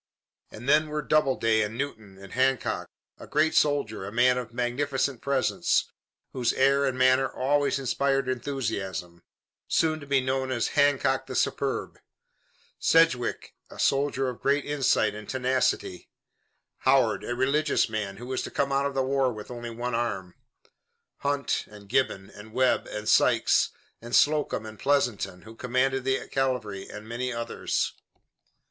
And then were Doubleday and Newton and Hancock, a great soldier, a man of magnificent presence, whose air and manner always inspired enthusiasm, soon to be known as Hancock the Superb; Sedgwick, a soldier of great insight and tenacity; Howard, a religious man, who was to come out of the war with only one arm; Hunt and Gibbon, and Webb and Sykes, and Slocum and Pleasanton, who commanded the cavalry, and many others.